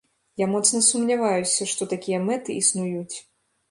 Я моцна сумняваюся, што такія мэты існуюць.